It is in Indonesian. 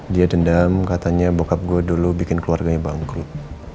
dia dendam katanya bockup gue dulu bikin keluarganya bangkrut